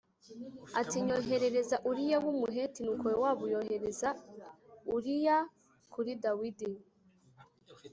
ati “Nyoherereza Uriya w’Umuheti.” Nuko Yowabu yohereza Uriya kuri Dawidi.